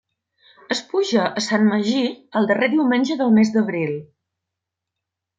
Es puja a Sant Magí el darrer diumenge del mes d'abril.